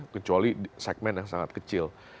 kecuali segmen yang sangat kecil